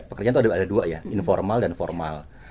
pekerjaan itu ada dua ya informal dan formal